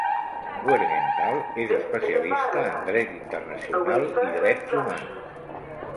Buergenthal és especialista en dret internacional i drets humans.